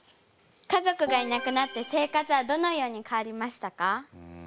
家族がいなくなって生活はどのように変わりましたか？